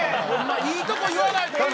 いいとこ言わないと。